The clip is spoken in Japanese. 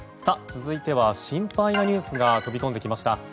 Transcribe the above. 続いては心配なニュースが飛び込んできました。